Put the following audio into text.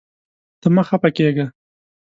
ته مه خفه کېږه.